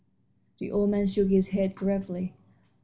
The old man shook his head gravely.